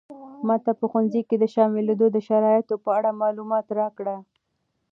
ماته په ښوونځي کې د شاملېدو د شرایطو په اړه معلومات راکړه.